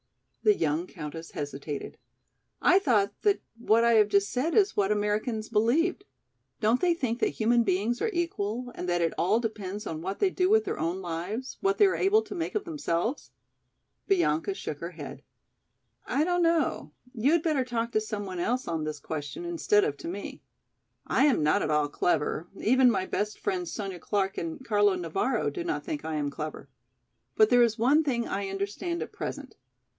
The young countess hesitated. "I thought that what I have just said is what Americans believed. Don't they think that human beings are equal and that it all depends on what they do with their own lives, what they are able to make of themselves?" Bianca shook her head. "I don't know, you had better talk to some one else on this question instead of to me. I am not at all clever, even my best friends, Sonya Clark and Carlo Navara, do not think I am clever. But there is one thing I understand at present.